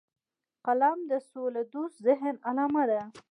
قلم د سولهدوست ذهن علامه ده